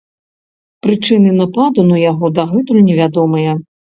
Прычыны нападу на яго дагэтуль невядомыя.